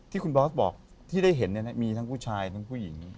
ที่คุณบอสบอกที่ได้เห็นมีทั้งผู้ชายทั้งผู้หญิง